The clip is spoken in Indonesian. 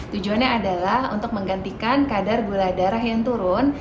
tujuannya adalah untuk menggantikan kadar gula darah yang turun